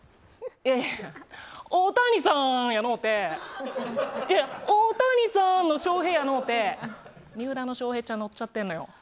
いやいやオオタニサーンやのうてオオタニサーンの翔平やのうて三浦の翔平ちゃん乗っちゃってんのよ。